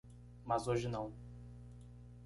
Mas hoje não.